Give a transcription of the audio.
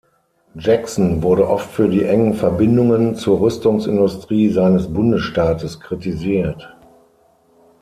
Jackson wurde oft für die engen Verbindungen zur Rüstungsindustrie seines Bundesstaates kritisiert.